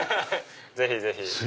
ぜひぜひ。